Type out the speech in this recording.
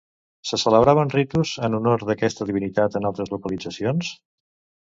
Se celebraven ritus en honor d'aquesta divinitat en altres localitzacions?